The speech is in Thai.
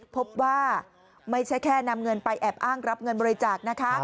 พบว่าไม่ใช่แค่นำเงินไปแอบอ้างรับเงินบริจาคนะคะ